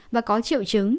và có triệu chứng